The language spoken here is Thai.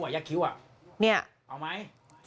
ยักษ์คิ้วนี่